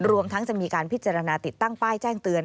รวมทั้งจะมีการพิจารณาติดตั้งป้ายแจ้งเตือน